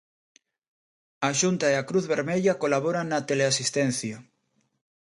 A Xunta e a Cruz Vermella colaboran na teleasistencia.